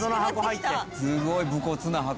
「すごい武骨な箱」